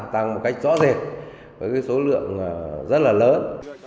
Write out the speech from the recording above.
tăng một cách rõ rệt với số lượng rất là lớn